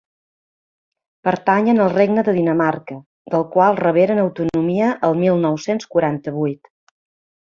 Pertanyen al regne de Dinamarca, del qual reberen autonomia el mil nou-cents quaranta-vuit.